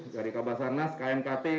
dari kabasarnas knkt